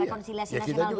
rekonsiliasi nasional dulu